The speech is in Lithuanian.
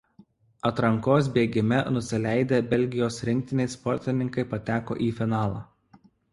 Atrankos bėgime nusileidę Belgijos rinktinei sportininkai pateko į finalą.